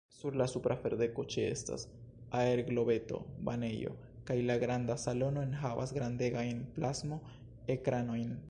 Sur la supra ferdeko, ĉeestas aerglobeto-banejo kaj la granda salono enhavas grandegajn plasmo-ekranojn.